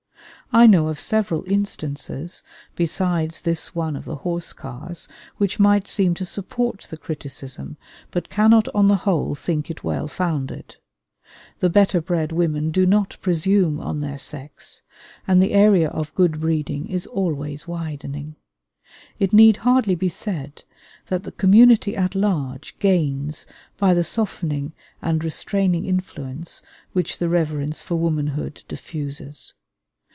I know of several instances, besides this one of the horse cars, which might seem to support the criticism, but cannot on the whole think it well founded. The better bred women do not presume on their sex, and the area of good breeding is always widening. It need hardly be said that the community at large gains by the softening and restraining influence which the reverence for womanhood diffuses.